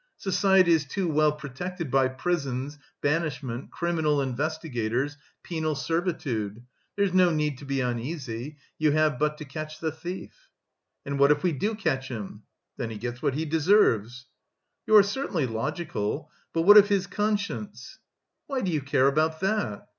Society is too well protected by prisons, banishment, criminal investigators, penal servitude. There's no need to be uneasy. You have but to catch the thief." "And what if we do catch him?" "Then he gets what he deserves." "You are certainly logical. But what of his conscience?" "Why do you care about that?"